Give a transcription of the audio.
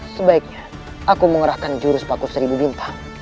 sebaiknya aku mengerahkan jurus paku seribu bintang